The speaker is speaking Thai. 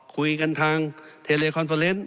คุยกันทางเทเลคอนโซเลนส์